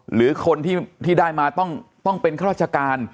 หรือคนที่ได้มาต้องเป็นข้าราชการ